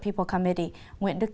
nếu tôi hiểu được